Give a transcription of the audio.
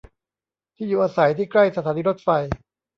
ที่อยู่อาศัยที่ใกล้สถานีรถไฟ